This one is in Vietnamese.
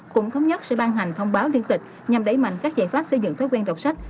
cũng thống nhất sẽ ban hành thông báo liên tịch nhằm đẩy mạnh các giải pháp xây dựng thói quen đọc sách